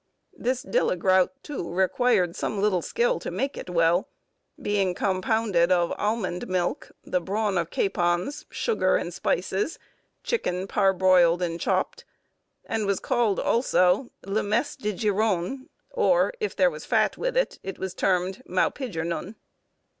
This dillegrout, too, required some little skill to make it well, being compounded of almond milk, the brawn of capons, sugar and spices, chicken parboiled and chopped, and was called, also, 'le mess de gyron,' or, if there was fat with it, it was termed maupigyrnun.